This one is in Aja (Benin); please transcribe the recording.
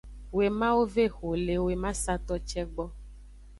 Wemawo ve exo le wemasato ce gbo.